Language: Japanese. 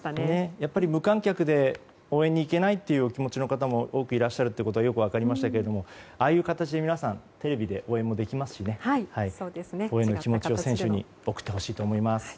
やっぱり無観客で応援に行けないというお気持ちの方も多くいらっしゃるってことはよく分かりましたけどもああいう形で皆さんテレビで応援もできますし応援の気持ちを選手に送ってほしいと思います。